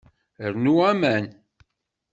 Rnu aman.